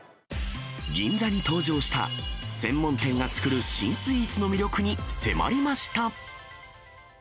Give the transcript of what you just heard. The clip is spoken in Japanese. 銀座に登場した、専門店が作る新スイーツの魅力に迫りました。